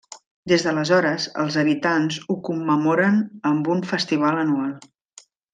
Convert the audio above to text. Des d'aleshores, els habitants ho commemoren amb un festival anual.